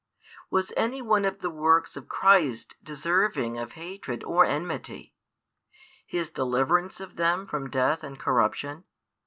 Was any one of the works of Christ deserving of hatred or enmity? His deliverance of them from death and corruption?